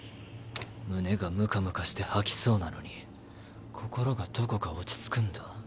胸がムカムカして吐きそうなのに心がどこか落ち着くんだ。